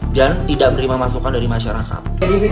dan tidak berima masukan dari masyarakat